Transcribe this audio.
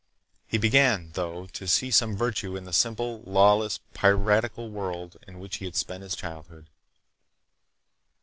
He began, though, to see some virtues in the simple, lawless, piratical world in which he had spent his childhood.